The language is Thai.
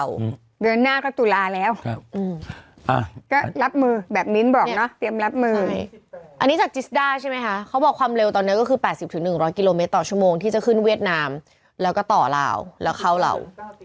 อันนี้จากจิสดาใช่ไหมฮะเขาบอกว่าความเร็วตอนนี้ก็คือ๘๐๑๐๐กิโลเมตรต่อชั่วโมงที่จะขึ้นเวียดนามแล้วก็ต่อลาวแล้วเข้าเหล่า